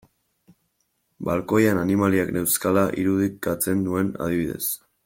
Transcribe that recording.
Balkoian animaliak neuzkala irudikatzen nuen adibidez.